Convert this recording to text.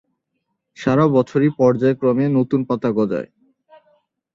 সারা বছরই পর্যায়ক্রমে নতুন পাতা গজায়।